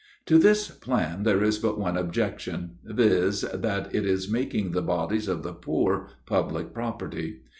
To this plan there is but one objection, viz. that it is making the bodies of the poor public property.